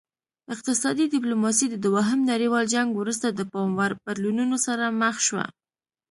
اقتصادي ډیپلوماسي د دوهم نړیوال جنګ وروسته د پام وړ بدلونونو سره مخ شوه